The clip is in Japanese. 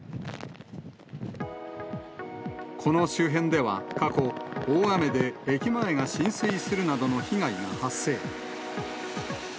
この周辺では過去、大雨で駅前が浸水するなどの被害が発生。